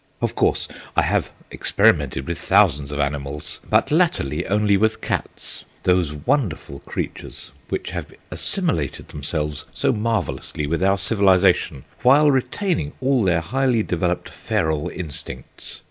Of course I have experimented with thousands of animals, but latterly only with cats, those wonderful creatures which have assimilated themselves so marvellously with our civilization while retaining all their highly developed feral instincts.